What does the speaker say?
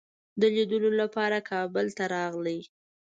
د لیدلو لپاره کابل ته راغی.